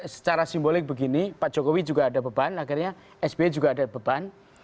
secara simbolik begini pak jokowi juga ada beban akhirnya sby juga ada beban